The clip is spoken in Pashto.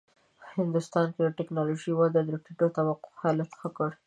هندوستان کې د ټېکنالوژۍ وده د ټیټو طبقو حالت ښه کړ.